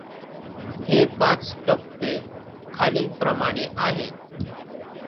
हे पाच टप्पे खालीलप्रमाणे आहेत.